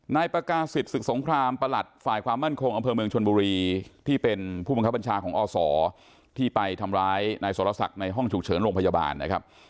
นายประกาศิษศึกสงครามประหลัดฝ่ายความมั่นคงอำเภอเมืองชนบุรีที่เป็นผู้บังคับบัญชาของอศที่ไปทำร้ายนายสรศักดิ์ในห้องฉุกเฉินโรงพยาบาลนะครับ